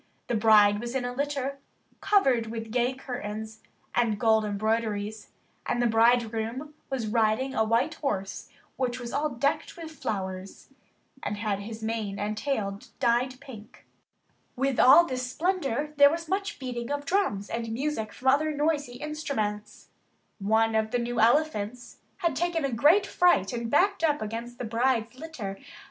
The bride was in a litter covered with gay curtains and gold embroideries, and the bridegroom was riding a white horse which was all decked with flowers, and had his mane and tail dyed pink. With all this splendour there was much beating of drums and music from other noisy instruments. One of the new elephants had taken a great fright and backed up against the bride's litter.